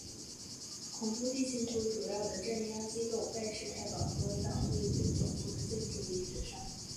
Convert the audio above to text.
恐怖地形图主要的镇压机构盖世太保和党卫军总部的建筑遗址上。